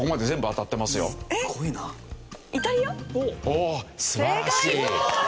おお素晴らしい！